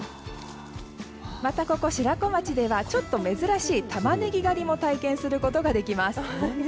またここ、白子町ではちょっと珍しいタマネギ狩りも体験することができます。